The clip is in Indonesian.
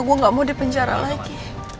gue gak mau dipenjara lagi